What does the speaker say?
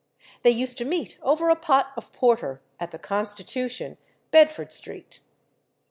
They used to meet over a pot of porter at the Constitution, Bedford Street.